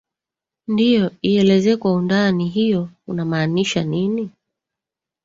ndio ielezee kwa undani hiyounamaanisha nini